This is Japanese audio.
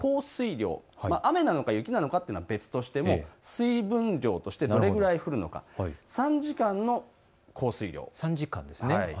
降水量、雨なのか雪なのかというのは別としても水分量としてどれくらい降るのか、３時間の降水量です。